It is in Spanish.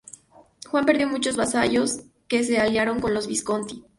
Juan perdió muchos vasallos que se aliaron con los Visconti.